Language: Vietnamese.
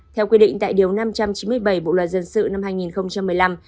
theo quy định tại điều năm trăm chín mươi bảy bộ luật dân sự năm hai nghìn một mươi năm